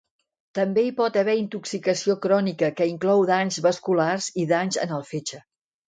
També hi pot haver intoxicació crònica que inclou danys vasculars i danys en el fetge.